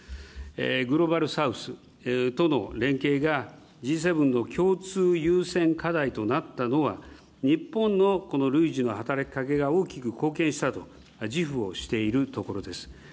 グローバル・サウスとの連携がＧ７の共通優先課題となったのは、日本のこの累次の働きかけが大きく貢献したと自負をしているところです。